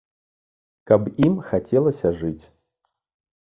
Каб ім хацелася жыць!